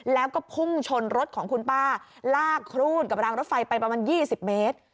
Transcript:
แล้วก็พุ่งชนรถของคุณป้าลากครูดกับรางรถไฟไปประมาณ๒๐เมตร